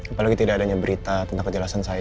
apalagi tidak adanya berita tentang kejelasan saya